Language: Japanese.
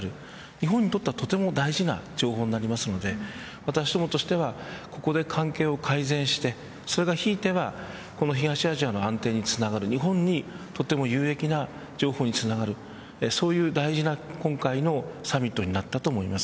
日本にとってはとても大事な情報になるので私共にしてはここで関係を改善して、ひいては東アジアの安定につながる日本にとても有益な情報につながるそういう大事な今回のサミットになったと思います。